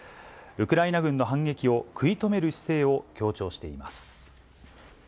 ウクライナ軍の反撃を食い止める姿勢を強調しています。